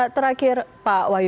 terakhir pak wahyu